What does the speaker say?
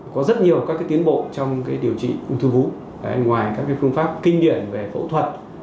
có rất nhiều các tiến bộ trong điều trị ung thư vú ngoài các phương pháp kinh nghiệm về phẫu thuật